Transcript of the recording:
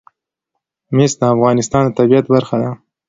مس د افغانستان د طبیعت برخه ده.